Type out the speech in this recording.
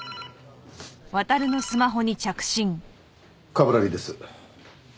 冠城です。